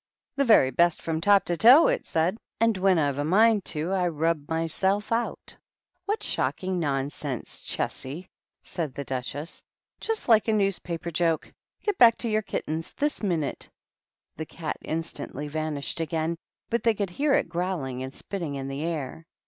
"The very best, from top to toe," it said. "And when I've a mind to I rub myself out." " What shocking nonsense, Chessy !" said the Duchess ; "just like a newspaper joke. Get back to your kittens this minute." The Cat instantly vanished again, but they could hear it growling and spitting in the air.